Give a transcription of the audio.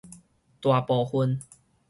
大部分